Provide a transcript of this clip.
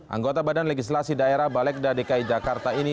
anggota badan legislasi daerah balegda dki jakarta ini